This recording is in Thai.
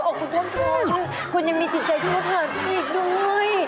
คุณออกคุณด้วยคุณยังมีจิตใจที่จะผ่านอีกด้วย